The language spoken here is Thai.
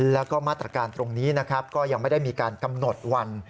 แล้วก็มาตรการตรงนี้นะครับก็ยังไม่ได้มีการกำหนดวัน